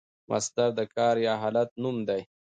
مصدر د کار یا حالت نوم دئ.